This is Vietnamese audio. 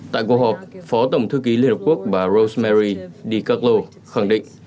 tại cuộc họp phó tổng thư ký liên hợp quốc bà rosemary dicarlo khẳng định